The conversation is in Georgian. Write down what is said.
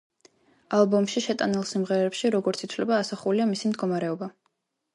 ალბომში შეტანილ სიმღერებში, როგორც ითვლება, ასახულია მისი მდგომარეობა.